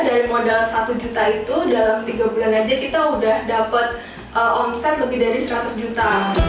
dari modal satu juta itu dalam tiga bulan aja kita udah dapat omset lebih dari seratus juta